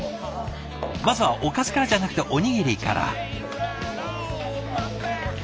まずはおかずからじゃなくておにぎりから。